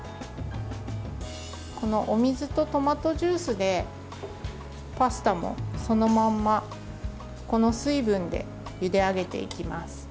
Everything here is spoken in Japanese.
このお水とトマトジュースでパスタもそのままこの水分でゆで上げていきます。